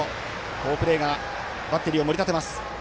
好プレーがバッテリーを盛り立てます。